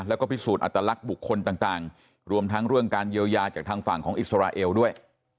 แล้วก็พิสูจน์อัตลักษณ์บุคคลต่างรวมทั้งเรื่องการเยียวยาจากทางฝั่งของอิสราเอลด้วย